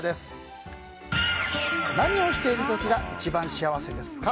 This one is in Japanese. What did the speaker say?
何をしている時が一番幸せですか？